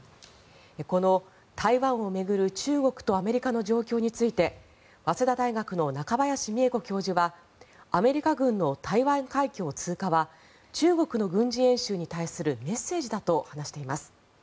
この台湾を巡る中国とアメリカの状況について早稲田大学の中林美恵子教授はアメリカ軍の台湾海峡通過は中国への軍事演習に対するメッセージだと話しています。